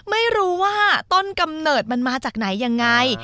ไม่รู้ว่าต้นกำเนิดมันมาจากไหนยังไง